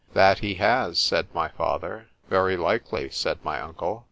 ——That he has,—said my father.——Very likely, said my uncle.